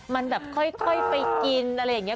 มันแบบค่อยไปกินอะไรอย่างนี้